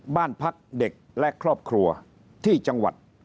บ้านพักเด็กและครอบครัวที่จังหวัด